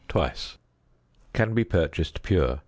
This can be purchased pure.